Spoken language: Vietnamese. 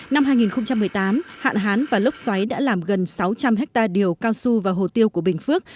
năm hai nghìn một mươi tám hạn hán và lốc xoáy đã làm gần sáu trăm linh hectare điều cao su và hồ tiêu của bình phước